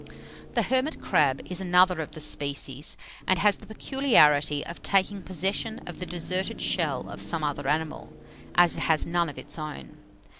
The hermit crab is another of the species, and has the peculiarity of taking possession of the deserted shell of some other animal, as it has none of its own.